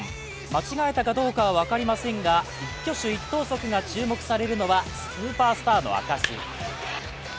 間違えたかどうかは分かりませんが一挙手一投足が注目されるのは、スーパースターの証し。